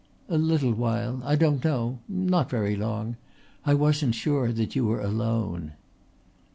"A little while...I don't know...Not very long. I wasn't sure that you were alone."